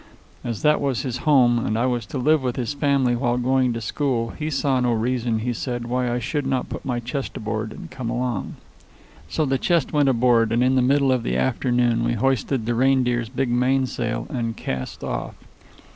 As that was his home and as I was to live with his family while going to school, he saw no reason, he said, why I should not put my chest aboard and come along. So the chest went aboard, and in the middle of the afternoon we hoisted the Reindeer's big mainsail and cast off.